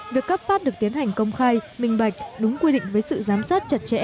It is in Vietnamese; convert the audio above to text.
việc cấp phát được tiến hành công khai minh bạch đúng quy định với sự giám sát chặt chẽ